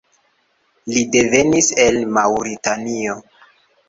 Li devenis el Maŭritanio.